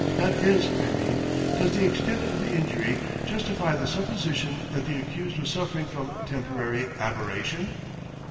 That is, I mean, does the extent of the injury justify the supposition that the accused was suffering from temporary aberration?"